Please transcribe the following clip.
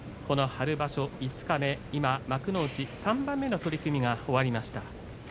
この春場所五日目今幕内３番目の取組が終わりました。